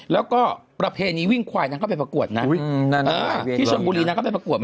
แล้วก็ประเภทนี้วิ่งควายนางเข้าไปปรากวดที่ชวนกุลีนางเข้าไปปรากวด